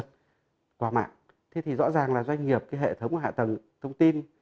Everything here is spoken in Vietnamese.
qua mạng thế thì rõ ràng là doanh nghiệp cái hệ thống hạ tầng thông tin